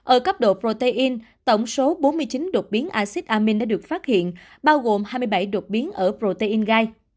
ở cấp độ protein tổng số bốn mươi chín đột biến acid amin đã được phát hiện bao gồm hai mươi bảy đột biến ở protein gai